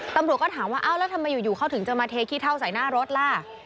ตำรวจก็ถามว่าเอ้าแล้วทำไมอยู่เขาถึงจะมาเทขี้เท่าใส่หน้ารถล่ะ